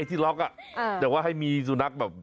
ที่ล็อกอ่ะแต่ว่าให้มีสุนัขแบบ